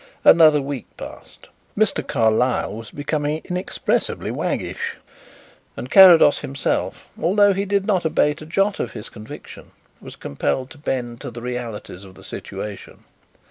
Another week passed; Mr. Carlyle was becoming inexpressibly waggish, and Carrados himself, although he did not abate a jot of his conviction, was compelled to bend to the realities of the situation.